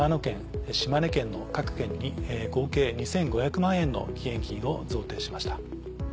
県島根県の各県に合計２５００万円の義援金を贈呈しました。